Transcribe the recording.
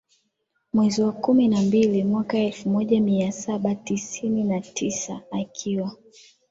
mwezi wa kumi na mbili mwaka elfu moja mia saba tisini na tisa akiwa